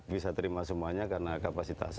bisa terima semuanya karena kapasitas